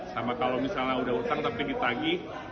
sama kalau misalnya udah hutang tapi ditagih